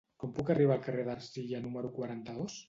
Com puc arribar al carrer d'Ercilla número quaranta-dos?